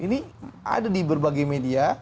ini ada di berbagai media